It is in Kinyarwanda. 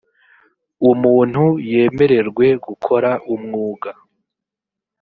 umuntu yemererwe gukora umwuga